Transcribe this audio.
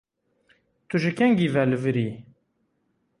Tu ji kengî ve li vir î?